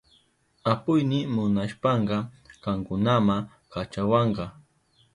Apuyni munashpanka kankunama kachawanka.